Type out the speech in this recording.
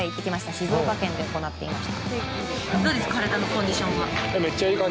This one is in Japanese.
静岡県で行っていました。